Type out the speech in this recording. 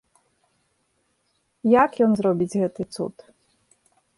Як ён зробіць гэты цуд?